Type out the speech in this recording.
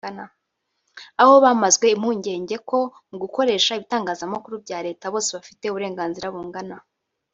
aho bamazwe impungenge ko mu gukoresha ibitangazamakuru bya Leta bose bafite uburenganzira bungana